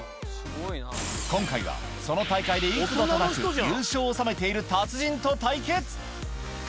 今回は、その大会で幾度となく優勝を収めている達人と対決。